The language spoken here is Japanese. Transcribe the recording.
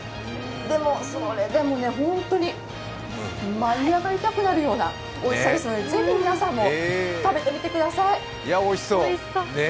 でもそれでも本当に舞い上がりたくなるようなおいしさですのでぜひ、皆さんも食べてみてください